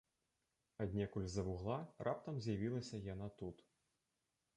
Аднекуль з-за вугла раптам з'явілася яна тут.